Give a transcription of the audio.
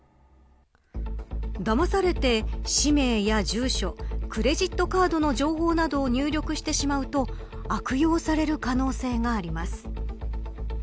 だまされて、氏名や住所クレジットカードの情報などを入力してしまうと悪用される可能性があります。